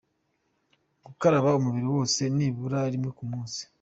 Gukaraba umubiri wose nibura rimwe ku munsi,.